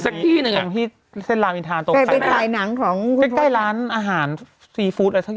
เข้าไปนี่